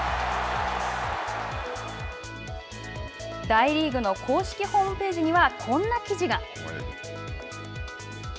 大リーグの公式ホームページにはこんな記事が。